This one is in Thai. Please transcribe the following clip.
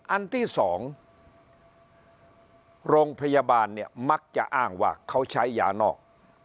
อันที่๒โรงพยาบาลเนี่ยมักจะอ้างว่าเขาใช้ยานอก